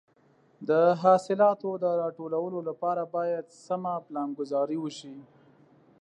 د حاصلاتو د راټولولو لپاره باید سمه پلانګذاري وشي.